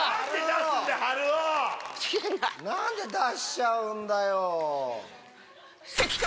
何で出しちゃうんだよ。